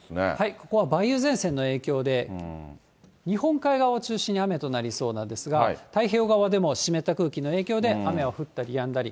ここは梅雨前線の影響で、日本海側を中心に雨となりそうなんですが、太平洋側でも湿った空気の影響で、雨は降ったりやんだり。